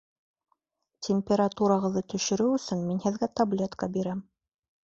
Температурағыҙҙы төшөрөү өсөн мин һеҙгә таблетка бирәм